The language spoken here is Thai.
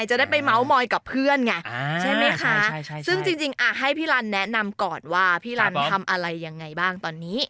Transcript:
จะได้ไปเมาส์มอยกับเพื่อนไงใช่ไหมคะซึ่งจริงให้พี่ลันแนะนำก่อนว่าพี่ลันทำอะไรยังไงบ้างตอนนี้